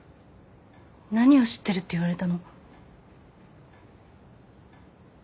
何を知ってるって言われたの？